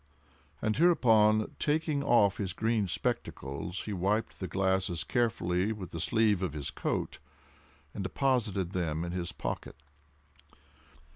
And hereupon, taking off his green spectacles, he wiped the glasses carefully with the sleeve of his coat, and deposited them in his pocket.